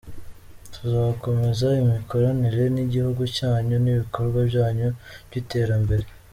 Tuzakomeza imikoranire n’igihugu cyanyu n’ibikorwa byanyu by’iterambere.